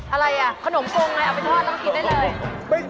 อะไรล่ะขนมปรุงนะเอาไปทอดแล้วกินได้เลย